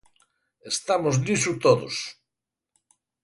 Estamos niso todos.